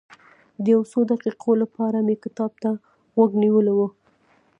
د یو څو دقیقو لپاره مې کتاب ته غوږ نیولی و.